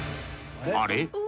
あれ？